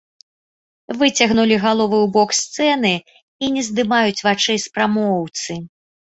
Выцягнулі галовы ў бок сцэны і не здымаюць вачэй з прамоўцы.